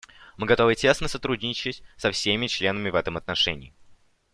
Мы готовы тесно сотрудничать со всеми членами в этом отношении.